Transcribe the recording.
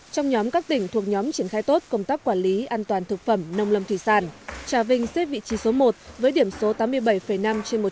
trong nhóm các tỉnh thuộc nhóm triển khai tốt công tác quản lý an toàn thực phẩm nông lâm thủy sản trà vinh xếp vị trí số một với điểm số tám mươi bảy năm trên một